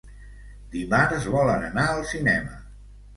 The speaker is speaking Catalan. Dimarts volen anar al cinema.